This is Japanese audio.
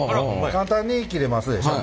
簡単に切れますでしょ？